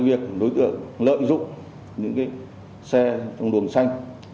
và những xe chở thực phẩm